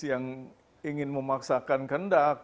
yang ingin memaksakan kendak